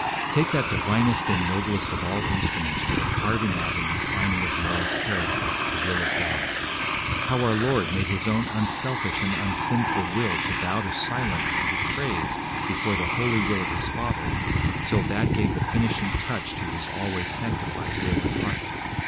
Take that divinest and noblest of all instruments for the carving out and refining of moral character, the will of God. How our Lord made His own unselfish and unsinful will to bow to silence and to praise before the holy will of His Father, till that gave the finishing touch to His always sanctified will and heart!